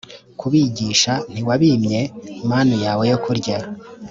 kubigisha ntiwabimye manu yawe yo kurya